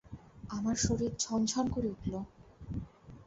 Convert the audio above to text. আমার শরীর ঝনঝন করে উঠল।